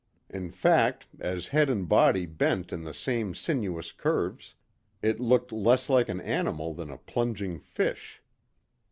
In fact, as head and body bent in the same sinuous curves, it looked less like an animal than a plunging fish.